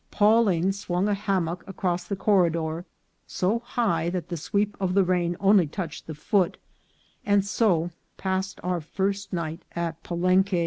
Pawling swung a hammock across the corridor so high that the sweep of the rain only touched the foot ; and so passed our first night at Palenque.